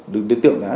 đối tượng đã